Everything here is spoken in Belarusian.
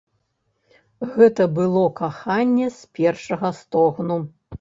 Гэта было каханне з першага стогну.